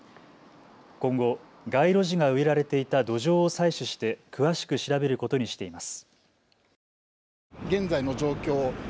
今後、街路樹が植えられていた土壌を採取して詳しく調べることにしています。